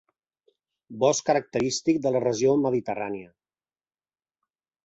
Bosc característic de la regió mediterrània.